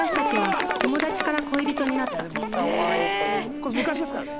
これ昔ですからね。